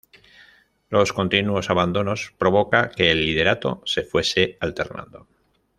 Los continuos abandonos provoca que el liderato se fuese alternando.